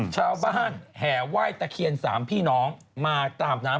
ชาวบ้านแห่ไหว้ตะเคียนสามพี่น้องมาตามน้ำ